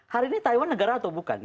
hari ini taiwan negara atau bukan